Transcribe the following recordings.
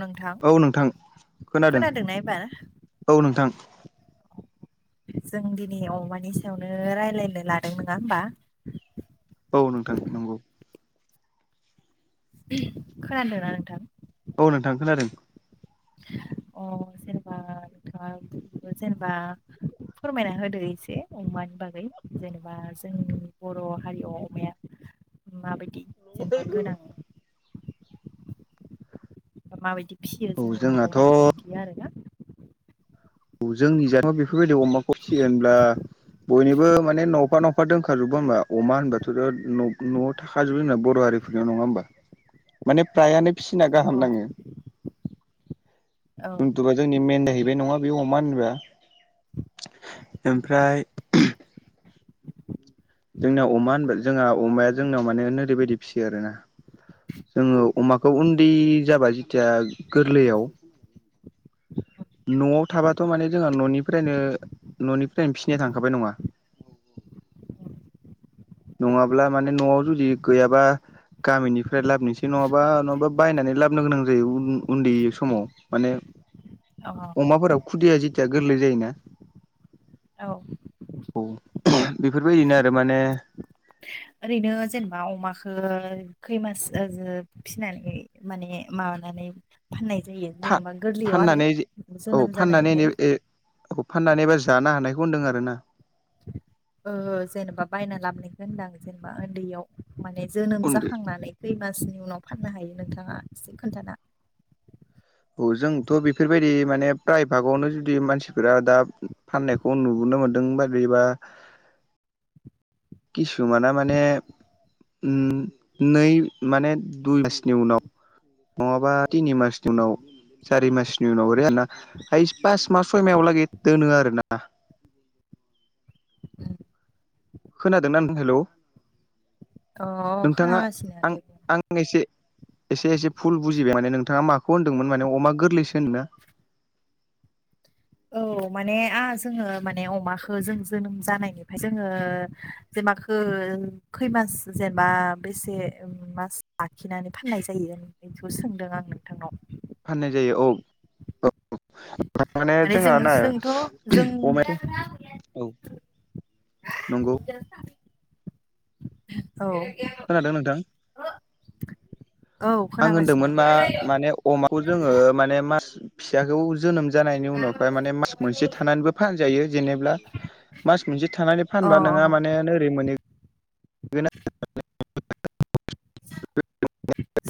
नोंथां औ नोंथां खोनादों खोनादोंना एबार औ नोंथां। जों दिनै अमानि सायावनो राय्लायनो लादों नङा होमबा? औ नोंथां नंगौ। खोनादों ना नोंथां। औ नोंथां खोनादों। अ जेनेबा नोंथाङा जेनेबा फोरमायना होदो एसे अमानि बागै जेनेबा जोंनि बर' हारियाव अमाया माबायदि जेनेबा गोनां। माबायदि फिसियो औ जोङो जोंहाथ' अमाखौ बिदियो आरोना। औ जोंनि जाहाव बेफोरबायदि अमाखौ फिग होनब्ला बयनिबो माने न'फा न अखा दोंखाजोबो नङा होनबा अमा होनबाथ'थ''आव थाखाजोबबो जबा बर' हारिफोरनियाव नङा होनबा माने फ्रायानो फिना गाहाम अ नाङो‌। औ जोंथुबा जोंनि मेन जाहैबाय नङा बे अमा होनोबा ओमफ्राय जोंनियाव अमा होनबा जोंहा अमाया जोंनाव माने ओरैबायदि फिसियो आरोना। जोङो अमाखौ उन्दै जाबा जेथिया गोरलैयाव न'आव थाबाथ' माने जोंहा न'निफ्रायनो न'निफ्रायनो फिसिनाया थांखाबाय नङा ओम नङाब्ला माने न'आव जुदि गैयाबा गामिनिफ्राय लाबोनोसै नङाबा नङाबा बायनानै लाबोन गोनां जायो उन्दै समाव माने अ अमाफोरा खुदिया जेथिया गोरलै जायोना। औ। औ बेफोरबायदिनो आरो माने ओरैनो जेनेबा अमाखौ खै मास ओ फिनानै माने माबानानै फाननाय जायो जेनेबा गोरलैयाव आरो फाननानै औ जोनोम फाननानै जानायनिफ्राय औ फाननानैबा जानो हानायखौ होनदों आरोना। ओ जेनेबा बायना लाबोनखौ होनदां जेनेबा उनदैयाव माने जोनोम उन्दै जाखांनानै खै मासनि उनाव फाननो हायो नोंथाङा एसे खोनथाना औ जोंथ' बेफोरबायदि माने प्राय भागावनो जुदि मानसिफोरा दा फाननायखौ नुबोनो मोनदों बायदिबा किसुमाना माने नै माने दुइ मासनि उनाव नङाबा तिनि मासनि उनाव सारि मासनि उनाव ओरै आरना पास मास सयमायावलागै दोनो आरोना। उम‌। खोनादों ना नों हेलौ। अ अ नोंथाङा खोनागासिनो आं दे बुं। आं एसे एसे एसे फुल बुजिबाय माने नोंथाङा माखौ होनदोंमोन माने अमा गोरलैसो होनदों ना? औ माने आ जोङो माने अमाखौ जों जोनोम जानायनिफाय जोङो जे माखो खैमास जेनेबा बेसे मास लाखिनानै फाननाय जायो? बेखौ सोंदों आं नोंथांनाव। फाननाय जायो औ औ। माने [inaudible] जों जोंहा नाय जोंथ' जों अमाया [inaudible] औ नंगौ जथ [unintelligible] खोनादों नोंथां औ [inaudible] आं खोनागासिनो होन्दोंमोन अ मा माने अमाखौ जोङो माने मास फिसाखौ जोनोम जानायनि उनावहाय माने मास मोनसे थानानैबो फानजायो जेनेब्ला। मास मोनसे थानानै अ फानबा नोंहा माने ओरै [inaudible] मोनहै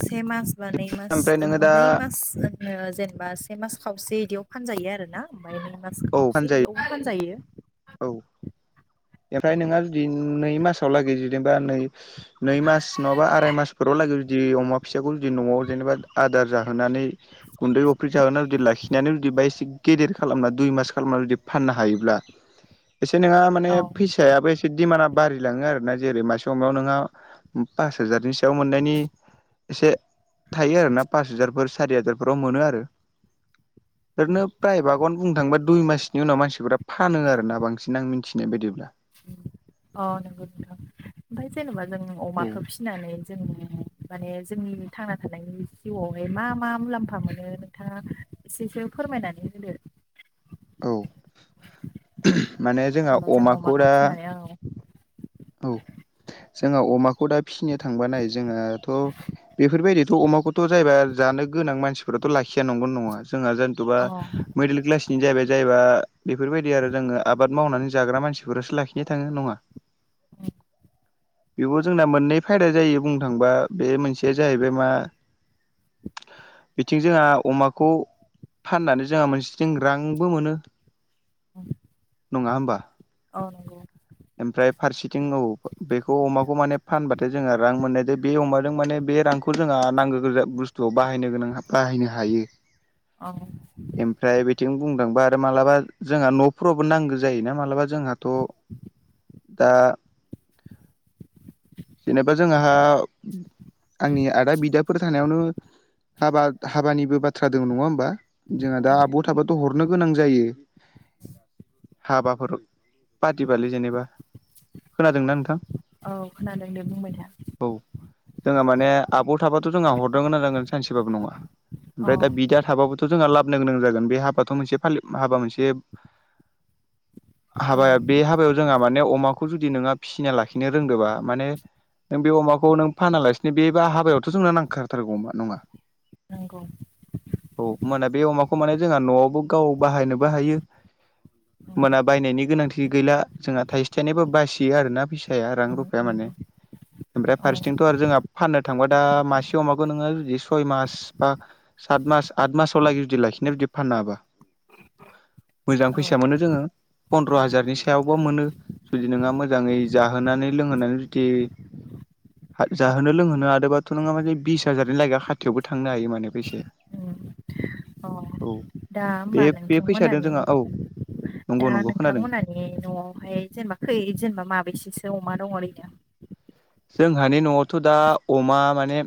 से मास बा नै मास ओमफ्राय नोङो दा मोनै मास ओ नो जेनेबा से मास खावसे बिदियाव फानजायो आरोना ओमफ्राय नै मास औ खावसे फानजायो बिदियावबो फानजायो। औ ओमफ्राय नोंहा जुदि नै मासाव लागै जुदिबा नै नै मास नङाबा आराय मासफोराव लागै जुदि अमा फिसाखौ जुदि न'आव जेनेबा आदार जाहोनानै गुन्दै अफ्रि जाहोनानै जुदि लाखिनानै जुदि बा एसे गेदेर खालामना दुइ मास खालामनानै जुदि फाननो हायोब्ला एसे नोंहा माने औ फैसायाबो एसे दिडिमान्डआ बारि लाङो आरो ना जेरै मासे समाव नोंहा पास हाजारनि सायाव मोननायनि एसे थायो आरोना पास हाजारफोर सारि हाजारफोराव मोनो आरो। ओरैनो फ्रायभागावनो बुंनो थांबा दुइ मास नि उनाव मानसिफोरा फानो आरोना बांसिन आं मिनथिनाय बायदिब्ला। अ नंगौ नोंथां ओमफ्राय जेनेबा जों अमाखौ औ फिनानै जों माने जोंनि थांना थानायनि जिउआवहाय मा मा मुलाम्फा मोनो नोंथाङा एसेसो फोरमायनानै होदो। औ माने जोंहा जेनेबा जों अमाखौ दा फिसिनानै औ औ जोंहा अमाखौ दा फिसिनो थांबानाय जोंहाथ' बेफोर बायदिथ' अमाखौथ' जायबा जानो गोनां मानसिफोराथ' लाखिया नंगौना नङा? जोंहा जेनथ'बा औ मिडल क्लासनि जाहैबाय जायबा बेफोर बायदि आरो जोङो आबाद मावनानै जाग्रा मानसिफोरासो लाखिनो थाङो नङा? औ बेखौ जोंना मोननै फायदाया जायो बुंनो थांबा बे मोनसेया जाहैबाय मा बिथिं जोंहा अमाखौ फाननानै जोंहा मोनसेथिं रांबो मोनो। नङा होमबा। औ नंगौ। ओमफ्राय फारसेथिं औ बेखौ अमाखौ माने फानबाथाय जोंहा रां मोननाय दे बे अमाजों माने बे रांखौ खौ जोंहा नांगौ गोजा बुस्थुआव बाहायनो गोनां बाहायनो हायो। औ ओमफ्राय बेथिं बुंथांबा आरो मालाबा जोंहा न'फोरावबो नांगो जायोना मालाबा जोंहाथ' दा जेनेबा जोंहा आंनि आदा बिदाफोर थानायावनो हाबा हाबानिबो बाथ्रा दों नङा होमबा? जोंहा औ दा आब' थाबथ' हरनो गोनां जायो। हाबाफोर पाथिबालि जेनेबा खोनादोंना नोंथां? औ खोनादों दे बुंबाय था। औ जोंहा माने आब' थाबाथ' जोंहा हरनो गोनां जागोन सानसेबाबो नङा। अ ओमफ्राय दा बिदा थाबाबोथ' जोंहा लाबोननो गोनां जागोन बे हाबाथ' मोनसे फालि हाबा मोनसे औ हाबाया बे हाबायाव जोंहा माने अमाखौ जुदि नोंहा फिना लाखिनो रोंदोंबा माने नों बे अमाखौ नों फानालासिनो बेा हाबायावथ' जोंना नांथारथारगौ अमा नङा नोंगौ। औ होनाना बे अमाखौ माने जोंहा न'आवबो गाव बाहायनोबो हायो। उम मोना बायनायनि गोनांथि गैला। जोंहा थाइसे थाइनैबो बासियो आरोोना फैसाया रां उम रुफाया उम माने। ओमफ्राय औ फारसेथिंथ' आरो जोंहा फाननो थांबा दा मासे अमाखौ नोङो बिदि सय मास बा सात मास आठ मासाव लागि जुदि लाखिनाय जुदि फानानो हाबाय मोजां औ फैसा मोनो जोङो पन्द्र' हाजारनि सायाव अबबा मोनो जुदि नोंङहा मोजाङै जाहोनानै लोंहोनानै जुदि। जाहोनो लोंहोनो हादोंबाथ' ननोङा माने बिस हाजारनि लागै खााथाययावबो थांनो हायो माने फैसाया [unintelligible] औ दा बे होमबा बे फैसाजों नोंथांमोनानि जोंहा औ नंगौ दा नंगौ खोनादों नोंथांमोनानि बे न'आवहाय जेनेबा खै जेनेबा माबेसेंसो अमा दङ रै दा जोंहानि न'आवथ' दा अमा माने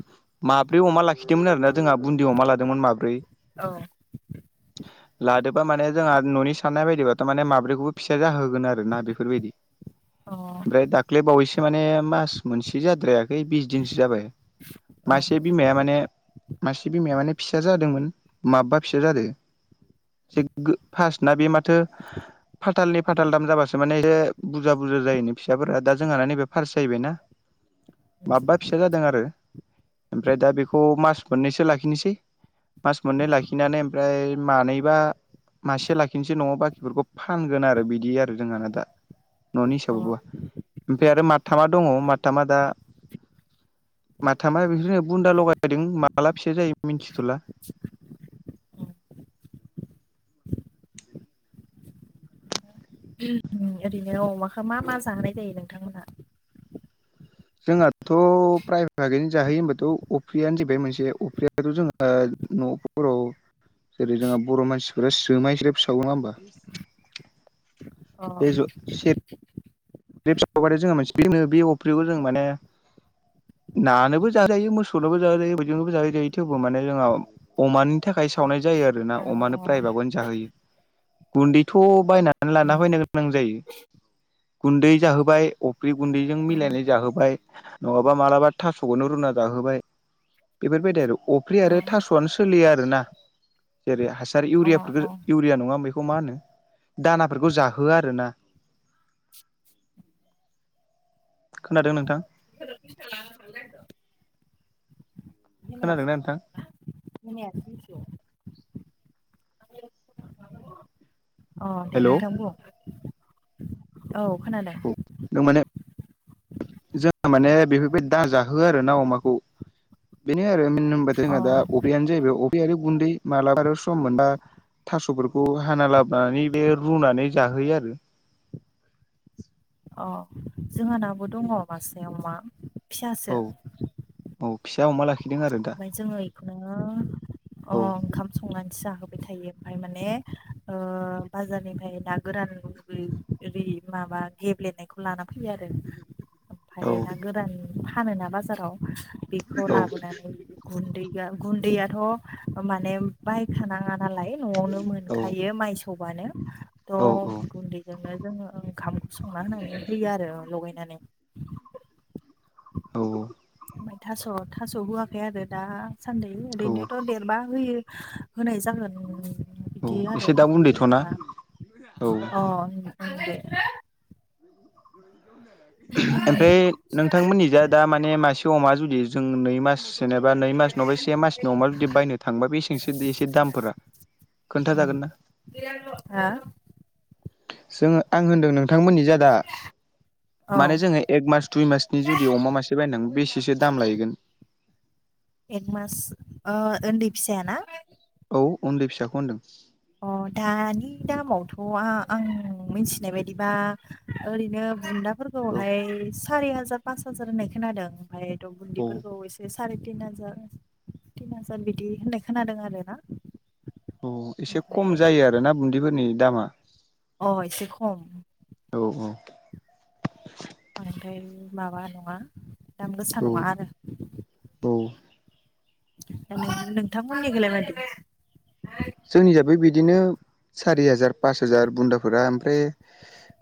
माब्रै अमा लाखिदोंमोन आरोना जोंहा बुन्दि अमा लादोंमोन माब्रै औ लादोंोबा माने जोंहा न'नि साननाय बायदिबाथ' माने माब्रैखौबो फिसााया जाहोगोन आरो ना बेफोर बायदि [inaudible] ओमफ्राय दाख्लै बावैसो माने मास मोनसे जाद्रायाखै बिस दिनसो जाबाय औ मासे बिमाया माने मासे बिमाया माने फिसा जादोंमोन माबबा फिसा जादों ए फार्ट नना बे माथो फाथालनि फाथाल दाम जाबासो माने एसे बुरजा बुरजा जायोनो फिसाफोरा दा जोंना नैबे फार्स्ट जाहबाय ना उम माबबा फिसा जादों आरो ओमफ्राय दा बेखौ मास मोननैसो लाखिनोसै। मास उम मोननै लाखिनानै ओमफ्राय मानैबा मासे लाखिनोसै न'आव बाखिफोरखौ फानगोन आरो बिदि आरो जोंहाना दा न'नि उम अ हिसाबै ब ओमफ्राय आरो माथामा दङ माथामा दा माथाम मा बेसो बुन्दा लगायदों माला फिसा जायो मिन्थिथ'ला ओरैनो अमाखौ मा मा जाहोनाय जायो नोंथांमोनहा जोंहाथ' प्रायभभागैनो जाहोयो होनबाथ' अफ्रियानो जाहैबाय मोनसे अफ्रियाथ' जों न'फोराव जेरै जोंहा बर' मानसिफोरा सोमाय स्र फिसावौङा होमबा अ बे फिस जोङो मोनसे बेनो बे अफ्रिखौ जों माने नानोबो जाजायो मोसौनोबो जाजायो बिदिनोबो जाहायो जायो थेवबो माने जोंहा अमानि थाखाय सावनाय जायो आरो ना अ अमानो अ प्र्रायबाबनो जाहोयो गुन्दैथ' बायनानै लाना उम बैनो गोनां जायो। गुन्दै जाहोबाय अफ्रि गुन्दैजों अ मिलायनाय जाहोबाय नङाबा मालाबा थास'खौनो रुना जाहोबाय बेफोरबायदि आरो अफ्रि आरो थास'आनो सोलियो आरो ना। जेरै हासार अ इउरियाफोरखौ अ इउरिया नङा बेखौ मा होनो दानाफोरखौ जाहोआ आरो ना खोनादों नोंथां रसालानो सालाय खोनादों ना नोंथां? बेनिसो अ दे हेलौ नोंथां औ खोनादों माने जोंङो माने बेफोरबायदि दाजाहो आरो ना अमाखौ। बेनो आरो म होनबा अ जोंहा दा अफयानो जाहैबाय अफारि गुन्दै मालाबफोर सम मोनबा। थास'फोरखौ हाना लाबोनानै बे रुनानै जाहोयो आरो। अ जोंहाानाबो दङ मासेयाव मा औ औ फिसा अमा लाखिदों आरो दा ओमफ्राय जोङो बेखौनो औ ओंखाम संनानैसो जाहोबाय थायो ओमफाय माने ओ बाजारनिफ्राय ना गोरान ओ माबा गेब्लेनायखौ लाना फैयो आरो औ ओमफफ्राय ना गोदान फानो ना बाजाराव। बेखौ औ लाबोनानै गुन्दै गुन्दैयाथ' माने बायखानाङा नालाय न'आवनो औ मोनखायो मायसौबानो औ थ' गुन्दै बिजोंनो जोङो ओंखामख्रि संना होनानै होयो आरो लगायनानै। औ औ ओमफ्राय थास' थास' होआखै आरो दासान्द औ ओरैनोथ' देरबा होयो। होनाय जागोन औ बिदि आरो एसे दा उन्दैथ'ना जेनेबा औ अ [unintelligible] [inaudible] ओमफ्राय नोंथांमोननि जा दा माने मासे अमा जुदि जों नै मास जेनेबा नै मास नबा से मासनि अमा जुदि बायनो थांबा बेसेबसो एसे दामफोरा? खोन्थाजागोन ना? [unintelligible] हा जोङो आं होन्दों नों नोंथांमोननि जादा औ माने जोङो एक मास दुइ मासनि जुदि अमा मासे ए बायनानै बेसेसो दाम लायैगोन? एक मास ओ उन्दै फिसायाना? औ उन्दै फिसाखौ होनदों। अ दानि दामावथ' आं मिथिनाय बायदिबा ओरैनो बुन्दा औ फोरखौहाय सारि हाजार फास हाजार होननाय खोनादों ओमफ्रायायथ' औ गुन्ददिफोरखौ एसे बे साराय तिन हाजार तिन हाजार बिदि होननाय खोनादों आर ना। अ एसे खम जायो आरो ना बुदिफोरनि दामा। अ एसे खम औ औ ओमफ्राय माबा नङा। दाम गोसा औ नङा आरो। औ [unintelligible] नोंथांमोननिखैलाय मादि? जों हिसाबै बिदिनो सारि हाजार पास हाजार बुन्दाफोरा ओमफ्राय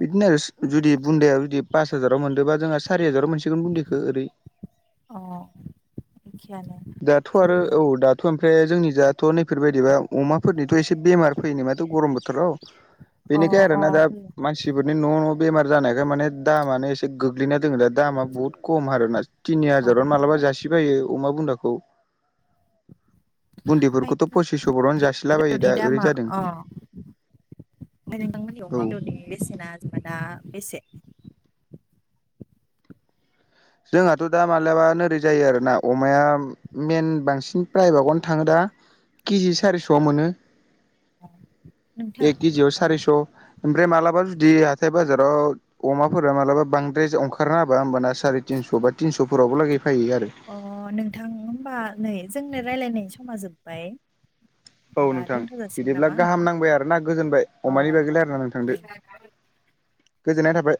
बिदिनो आरो जुदि बुन्दाया जुदि पास हाजाराव मोनदोंबा जोंहा सारि हाजाराव मोनसिगोन बुन्दैखौ ओरै अ एखियाानो। दाथ' आरो औ दा थ' ओमफ्राय जोंनि दाथ' नैफोरबायदिबा अमाफोरनिथ' एसे बेमार फैयो नो माथ' गरम बोथोराव? [inaudible] बेनिखाय आरो अ ना दा फैयो मानसिफोरनि न' न' बेमार जानायखाय माने दामानो एसे गोग गोग्लैना दङ दा दामा बहु खम आरोना तिनि अ हाजारावनो मालाबा जासि बायो अमा बुनदा खौ [inaudible] ओमफ्राय बुन्ददिफोरखौथ' पसिस ह बररावनो अमा जासिलाबायो बेदरनि दा ओरै दामा जादों। अ ओमफ्राय नोंथांमोननि औ अमा बेदरनि बेसेना जेनेबा दा बेसे? जोंहाथ' दा मालाबा ओरै जायो आरोना अमाया मेन बांसिन प्राइभागआवनो थाङो दा केजि सारिस'आव मोनो नोंथां एक केजियाव अ सारिस'। ओमफ्राय मालाबा जुदि हाथाय बाजाराव अमाफोरा मालाबा बांद्राय अंखार ओंखारना होबा होनबा सारि थिनस' बा तिनस'फोरावबो लागै फैयो आरो। अ नोंथां होमबा नै जोंनो रायजलायनाय समा जोब्बाय। औ होमबा नोंथां दोनथ' जासिगोन बिदिब्ला नामा गाहाम नोंथां नांबाय आरोना गोजोनबाय अ अमानि बागै अ रायलायना नोंथांदो दे [inaudible] गोजोननाय थाबाय